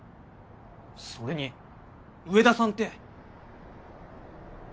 それに上田さんって。